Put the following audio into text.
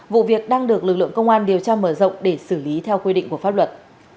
vụ việc đang được lực lượng công an điều tra mở rộng để xử lý theo quy định của pháp luật